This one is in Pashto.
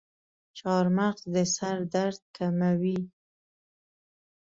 چارمغز د سر درد کموي.